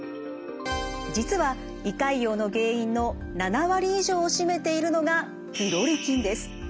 実は胃潰瘍の原因の７割以上を占めているのがピロリ菌です。